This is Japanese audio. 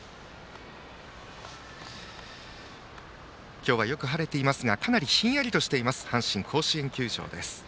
今日はよく晴れていますがかなりひんやりとしている阪神甲子園球場です。